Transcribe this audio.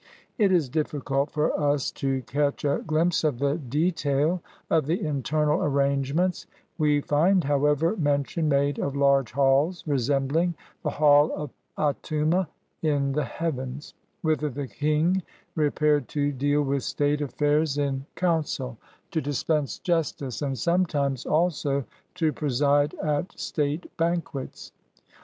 It is difficult for us to catch a glimpse of the detail of the internal arrange ments: we find, however, mention made of large halls "resembling the hall of Atumu in the heavens," whither the king repaired to deal with state affairs in coun cil, to dispense justice and sometimes also to preside at state banquets.